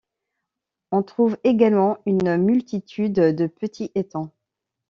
On trouve également une multitude de petits étangs.